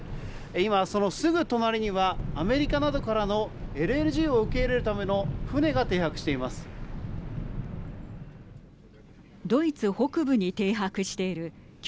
今、そのすぐ隣にはアメリカなどからのＬＮＧを受け入れるための船が停泊しています。